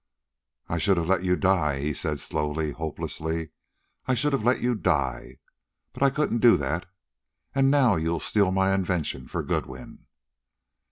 "I should have let you die," he said slowly, hopelessly. "I should have let you die. But I couldn't do that.... And now you'll steal my invention for Goodwin."